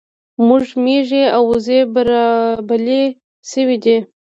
زموږ ميږي او وزې برالبې شوې دي